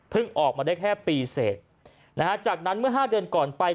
เพิ่งออกมาได้แค่ปีเสร็จจากนั้นเมื่อห้าเดือนก่อนไป